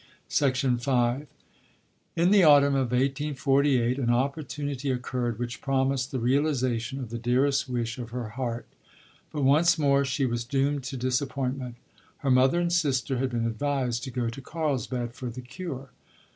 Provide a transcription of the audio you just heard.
V In the autumn of 1848 an opportunity occurred which promised the realization of the dearest wish of her heart, but once more she was doomed to disappointment. Her mother and sister had been advised to go to Carlsbad for the cure.